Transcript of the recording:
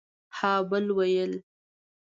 ها بل ويل